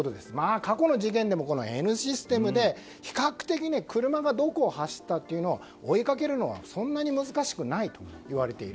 過去の事件でもＮシステムで車がどこを走ったのか追いかけるのはそんなに難しくないといわれている。